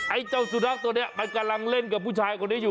ไอ้เจ้าสุนัขตัวนี้มันกำลังเล่นกับผู้ชายคนนี้อยู่